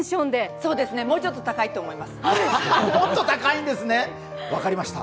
そうですね、もうちょっと高いと思います。